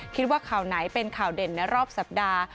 คิดว่าข่าวไหนเป็นข่าวเด่นในรอบสัปดาห์